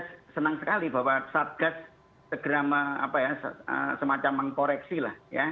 saya senang sekali bahwa satgas segera semacam mengkoreksi lah ya